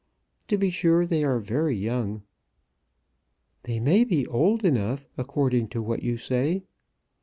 To be sure they are very young." "They may be old enough according to what you say."